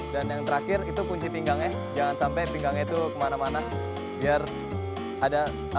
dan yang terakhir itu kunci pinggangnya jangan sampai pinggangnya itu kemana mana biar ada